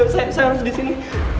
saya harus disini